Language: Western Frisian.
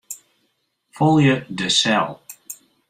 Folje de sel.